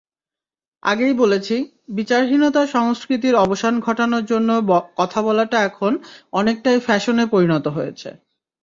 আগেই বলেছি, বিচারহীনতার সংস্কৃতির অবসান ঘটানোর কথা বলাটা এখন অনেকটাই ফ্যাশনে পরিণত হয়েছে।